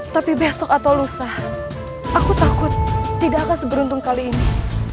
tapi besok atau lusa aku takut tidak akan seberuntung kali ini